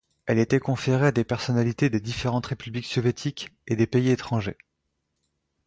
Elle était conférée à des personnalités des différentes républiques soviétiques et de pays étrangers.